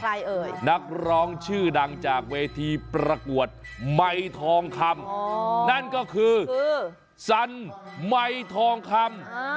เอ่ยนักร้องชื่อดังจากเวทีประกวดไหมทองคำนั่นก็คือสันไมค์ทองคำ